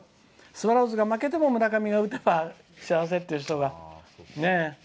スワローズが負けても村上が打てば幸せっていう人がね。